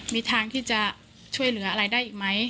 มีทางที่จะช่วยเหลืออะไรได้อีกไหม